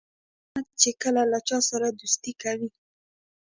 احمد چې کله له چا سره دوستي کوي،